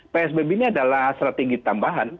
psbb ini adalah strategi tambahan